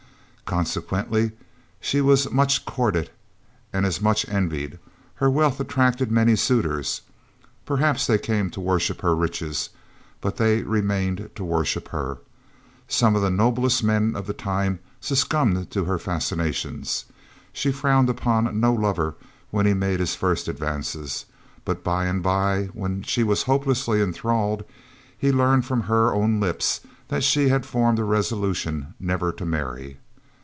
Consequently she was much courted and as much envied: Her wealth attracted many suitors. Perhaps they came to worship her riches, but they remained to worship her. Some of the noblest men of the time succumbed to her fascinations. She frowned upon no lover when he made his first advances, but by and by when she was hopelessly enthralled, he learned from her own lips that she had formed a resolution never to marry.